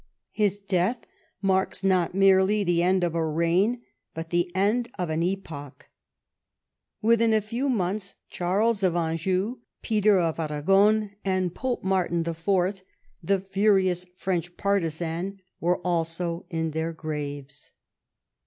His death marks not merely the end of a reign, but the end of an epoch. Within a few months Charles of Anjou, Peter of Aragon, and Pope Martin IV., the furious French partisan, were also in their graves.